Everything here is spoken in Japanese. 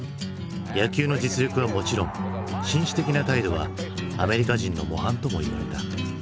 野球の実力はもちろん紳士的な態度はアメリカ人の模範ともいわれた。